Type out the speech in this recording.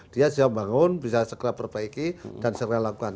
dia siap bangun bisa segera perbaiki dan segera lakukan